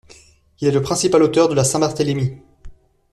Il est le principal auteur de la Saint-Barthélemy.